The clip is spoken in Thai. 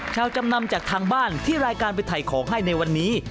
จำนำจากทางบ้านที่รายการไปถ่ายของให้ในวันนี้